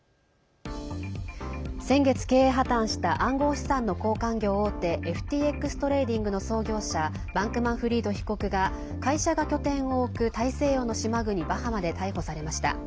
先月、経営破綻した暗号資産の交換業大手ＦＴＸトレーディングの創業者バンクマンフリード被告が会社が拠点を置く大西洋の島国バハマで逮捕されました。